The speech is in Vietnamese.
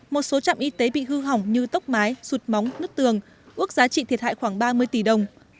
một số trạm y tế bị hư hỏng như tốc mái sụt móng nứt tường ước giá trị thiệt hại khoảng ba mươi tỷ đồng